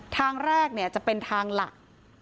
ทางแรกเนี่ยจะเป็นทางหลัก